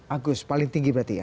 agus paling tinggi berarti ya